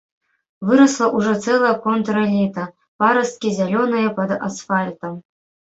Вырасла ўжо цэлая контрэліта, парасткі зялёныя пад асфальтам.